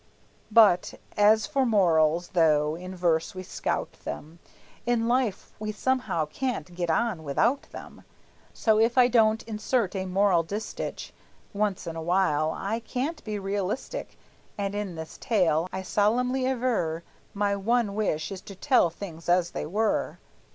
But as for morals, though in verse we scout them, In life we somehow can't get on without them; So if I don't insert a moral distich Once in a while, I can't be realistic; And in this tale, I solemnly aver, My one wish is to tell things as they were!